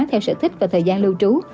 theo sở thích và thời gian lưu trú